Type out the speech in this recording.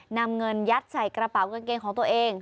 นำเงินยัดใส่กระเป๋ากางเกงของตัวเอง